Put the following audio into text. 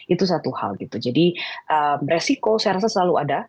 itu satu hal gitu jadi beresiko saya rasa selalu ada